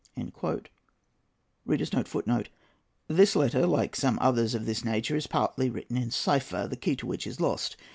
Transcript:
"[A] [Footnote A: This letter, like some others of this nature, is partly written in cypher, the key to which is lost.